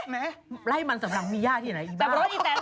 แม่ไล่มันสัมปะหลังมียากที่ไหนอีบ้าว